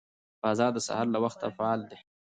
بازار د سهار له وخته فعال وي